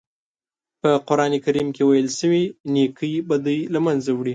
په قرآن کریم کې ویل شوي نېکۍ بدۍ له منځه وړي.